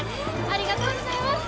ありがとうございます。